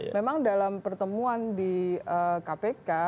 memang dalam pertemuan di kpk